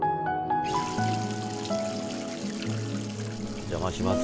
お邪魔します。